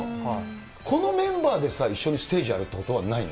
このメンバーで一緒にステージやるってことはないの？